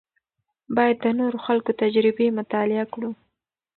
باید د نورو خلکو تجربې مطالعه کړو.